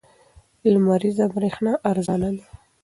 لمریزه برېښنا ارزانه ده.